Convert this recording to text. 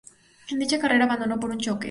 En dicha carrera abandonó por un choque.